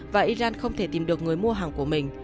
và iran không thể tìm được người mua hàng của mình